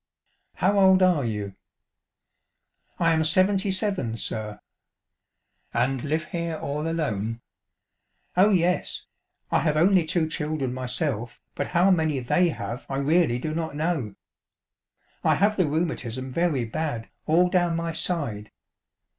" How old are you ?"" I am seventy seven, sir." " And live here all alone ?" "Oh, yes ; I have only two children myself, but how many they have I really do not know. I have the rheumatism very bad, all down my side.